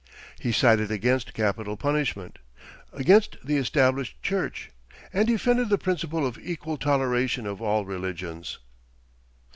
He sided against capital punishment, against the established church, and defended the principle of equal toleration of all religions.